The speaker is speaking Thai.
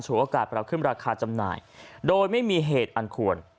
โอกาสปรับขึ้นราคาจำหน่ายโดยไม่มีเหตุอันควร